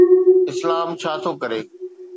اسلام ڇا ٿو ڪري؟